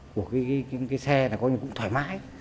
của cái xe này cũng thoải mái